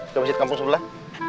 ke masjid kampung sebelah